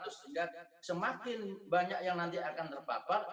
sehingga semakin banyak yang nanti akan terpapar